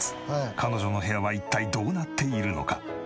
彼女の部屋は一体どうなっているのか？